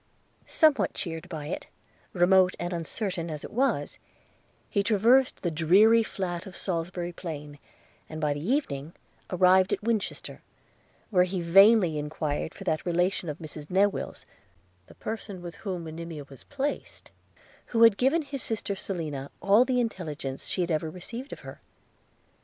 – Somewhat cheered by it, remote and uncertain as it was, he traversed the dreary flat of Salisbury plain, and by the evening arrived at Winchester, where he vainly enquired for that relation of Mrs Newill's (the person with whom Monimia was placed) who had given his sister Selina all the intelligence she had ever received of her.